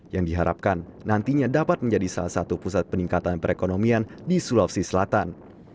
yang diharapkan nantinya dapat menjadi salah satu pusat peningkatan perekonomian di sulawesi selatan